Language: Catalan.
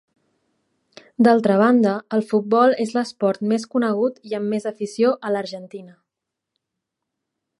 D'altra banda, el futbol és l'esport més conegut i amb més afició a l'Argentina.